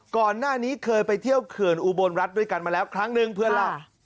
ก่อนหน้านี้เคยไปเที่ยวเขื่อนอุบลรัฐด้วยกันมาแล้วครั้งนึงเพื่อนเล่า